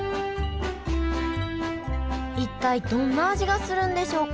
一体どんな味がするんでしょうか？